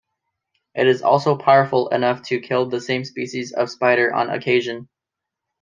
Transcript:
It is also powerful enough to kill the same species of spider on occasion.